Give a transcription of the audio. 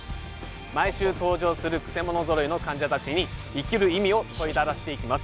毎週登場するくせ者揃いの患者達に生きる意味を問いただしていきます